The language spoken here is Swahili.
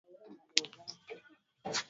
Dasgupta Antony Gomes na Daktari Liji Thomas